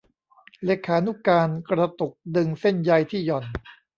เลขานุการกระตุกดึงเส้นใยที่หย่อน